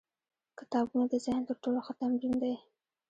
کتابونه د ذهن تر ټولو ښه تمرین دی.